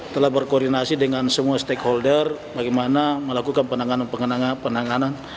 telah berkoordinasi dengan semua stakeholder bagaimana melakukan penanganan